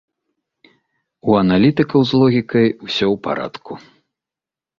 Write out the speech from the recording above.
У аналітыкаў з логікай усё ў парадку.